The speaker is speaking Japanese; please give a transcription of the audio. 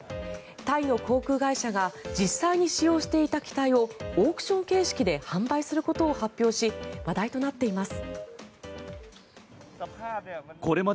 タイの航空会社が実際に使用していた機体をオークション形式で販売することを発表し話題となっています。